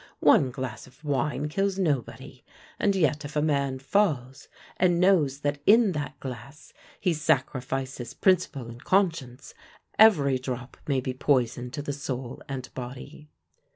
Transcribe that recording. One glass of wine kills nobody; and yet if a man falls, and knows that in that glass he sacrifices principle and conscience, every drop may be poison to the soul and body.